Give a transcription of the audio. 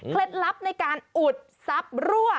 ลับในการอุดทรัพย์รั่ว